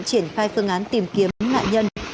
triển khai phương án tìm kiếm nạn nhân